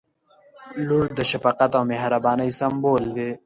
• لور د شفقت او مهربانۍ سمبول دی.